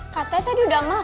katanya tadi udah makan